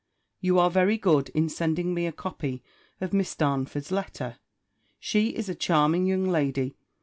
You are very good in sending me a copy of Miss Darnford's letter. She is a charming young lady.